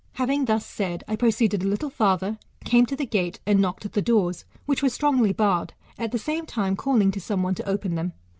Having thus said, I proceeded a little farther, came to the gate, and knocked at the doors, which were strongly barred, at the same time calling to some one to open them.